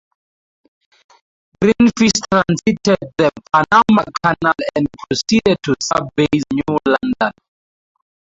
Greenfish Transited the Panama Canal and proceeded to Sub base New London.